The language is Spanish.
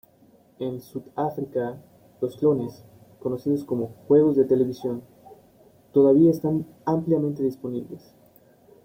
En South Africa, los clones, conocidos como "Juegos de Televisión", todavía están ampliamente disponibles.